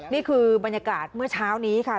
นี่คือบรรยากาศเมื่อเช้านี้ค่ะ